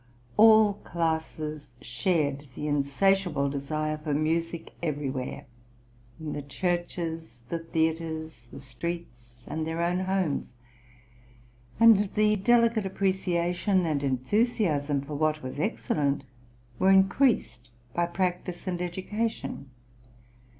All classes shared the insatiable desire for music everywhere in the churches, the theatres, the streets, and their own homes; and the delicate appreciation and enthusiasm for what was excellent were increased by practice and education.